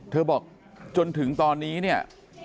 บอกจนถึงตอนนี้เนี่ย